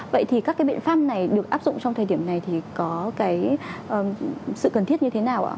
vậy thì các cái biện pháp này được áp dụng trong thời điểm này thì có cái sự cần thiết như thế nào ạ